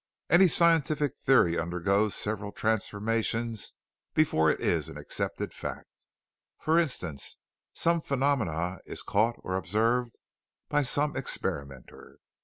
Any scientific theory undergoes several transformations before it is an accepted fact. For instance, some phenomenon is caught or observed by some experimenter.